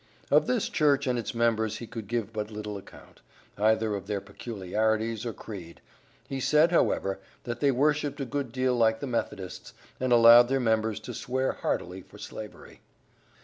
Of this church and its members he could give but little account, either of their peculiarities or creed; he said, however, that they worshipped a good deal like the Methodists, and allowed their members to swear heartily for slavery.